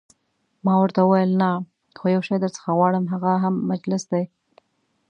ما ورته وویل: نه، خو یو شی درڅخه غواړم، هغه هم مجلس دی.